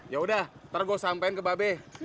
yaudah ntar gue sampein ke babe